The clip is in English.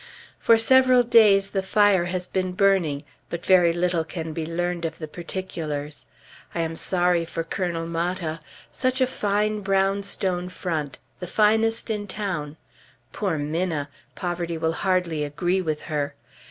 For several days the fire has been burning, but very little can be learned of the particulars. I am sorry for Colonel Matta. Such a fine brown stone front, the finest in town. Poor Minna! poverty will hardly agree with her.